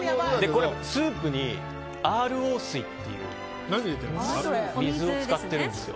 スープにＲＯ水っていう水を使ってるんですよ。